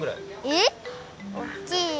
えっ！